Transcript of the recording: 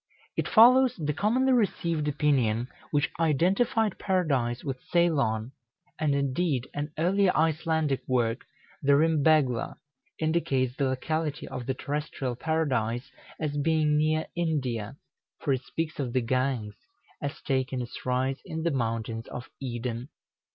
It follows the commonly received opinion which identified Paradise with Ceylon; and, indeed, an earlier Icelandic work, the "Rymbegla," indicates the locality of the terrestrial Paradise as being near India, for it speaks of the Ganges as taking its rise in the mountains of Eden.